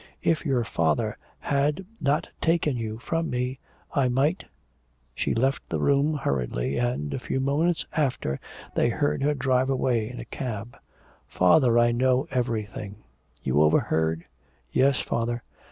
If your father had not taken you from me, I might ' She left the room hurriedly, and, a few moments after, they heard her drive away in a cab. 'Father, I know everything.' 'You overheard?' 'Yes, father.